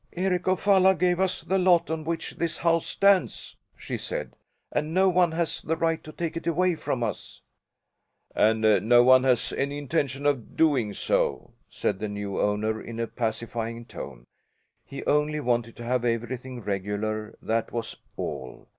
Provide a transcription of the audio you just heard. "Eric of Falla gave us the lot on which this house stands," she said, "and no one has the right to take it away from us!" "And no one has any intention of doing so," said the new owner in a pacifying tone. He only wanted to have everything regular, that was all.